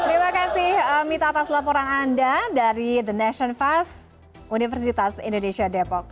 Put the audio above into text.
terima kasih mita atas laporan anda dari the nation fast universitas indonesia depok